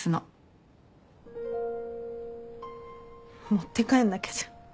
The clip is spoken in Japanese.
持って帰んなきゃじゃん。